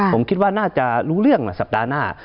ผมคิดว่าน่าจะรู้เรื่องสัปดาห์หน้า